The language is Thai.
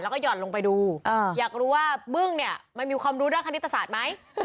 แล้วก็ห่อนลงไปดูอยากรู้ว่าบึ้งเนี่ยมันมีความรู้ด้านคณิตศาสตร์ไหม